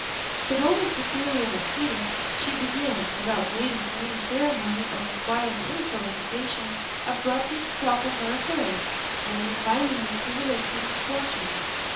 The moment Cecilia was seated, she began, without waiting for any ceremony, or requiring any solicitation, abruptly to talk of her affairs, and repiningly to relate her misfortunes.